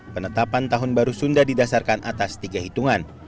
penetapan tahun baru sunda didasarkan atas tiga hitungan